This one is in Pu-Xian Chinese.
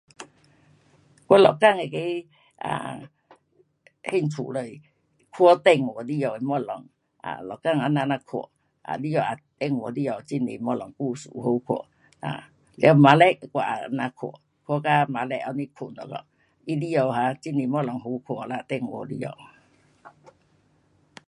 我一天那个 um 兴趣是，看电话里下的东西，每天这样看。里下，电话里下很多东西，故事好看，um 了晚上我也这样看，看到晚上后里睡一下，它里下哈很多好看啦，电话里下。